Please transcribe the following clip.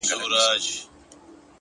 زما کور ته چي راسي زه پر کور يمه;